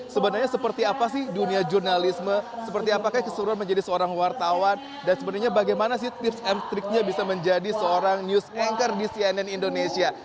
sebenarnya seperti apa sih dunia jurnalisme seperti apakah keseluruhan menjadi seorang wartawan dan sebenarnya bagaimana sih tips and tricknya bisa menjadi seorang news anchor di cnn indonesia